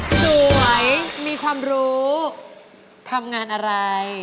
มีความรู้ทำงานอะไร